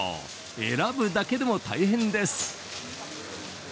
選ぶだけでも大変です。